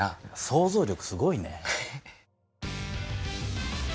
想像力すごいね。